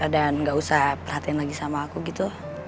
dan gak usah perhatiin lagi sama aku gitu